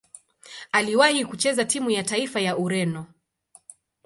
Aliwahi kucheza timu ya taifa ya Ureno.